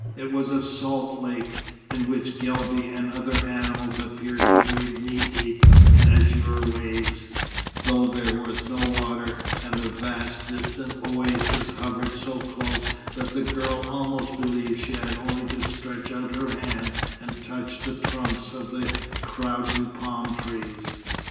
It was a salt lake, in which Guelbi and the other animals appeared to wade knee deep in azure waves, though there was no water; and the vast, distant oasis hovered so close that the girl almost believed she had only to stretch out her hand and touch the trunks of the crowding palm trees.